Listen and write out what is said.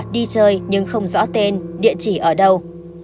đi chơi nhưng không rõ tên địa chỉ ở đâu